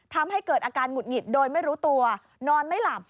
ทำให้เกิดอาการหงุดหงิดโดยไม่รู้ตัวนอนไม่หลับ